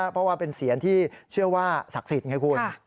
เพราะว่าเป็นเสียงที่เชื่อว่าศักดิ์สิทธิ์ไงคุณ